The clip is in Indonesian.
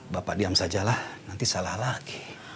bapak diam sajalah nanti salah lagi